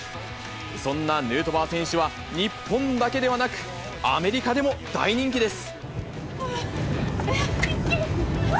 そんなヌートバー選手は、日本だけではなく、アメリカでも大人気です。